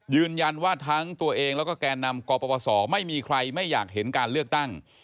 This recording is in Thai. ยืนยันว่าทั้งตัวเองแล้วก็แก่นำกปศไม่มีใครไม่อยากเห็นการเลือกตั้ง